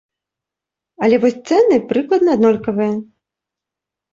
Але вось цэны прыкладна аднолькавыя.